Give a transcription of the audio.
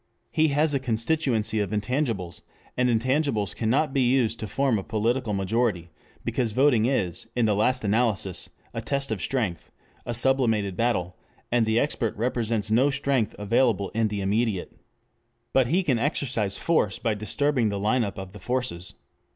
He has a constituency of intangibles. And intangibles cannot be used to form a political majority, because voting is in the last analysis a test of strength, a sublimated battle, and the expert represents no strength available in the immediate. But he can exercise force by disturbing the line up of the forces.